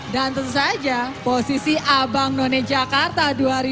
dan tentu saja posisi abang none jakarta dua ribu dua puluh dua